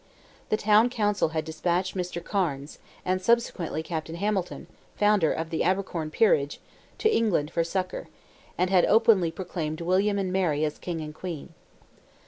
The Town Council had despatched Mr. Cairnes, and subsequently Captain Hamilton, founder of the Abercorn peerage, to England for succour, and had openly proclaimed William and Mary as King and Queen.